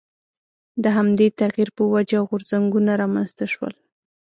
د همدې تغییر په وجه غورځنګونه رامنځته شول.